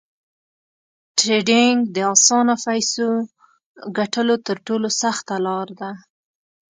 ټریډینګ د اسانه فیسو ګټلو تر ټولو سخته لار ده